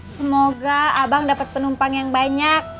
semoga abang dapat penumpang yang banyak